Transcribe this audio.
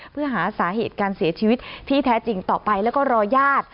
เพื่อหาสาเหตุการเสียชีวิตที่แท้จริงต่อไปแล้วก็รอญาติ